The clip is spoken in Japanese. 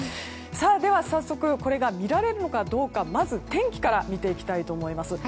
では、早速これが見られるのかどうかまず天気から見ていきたいと思います。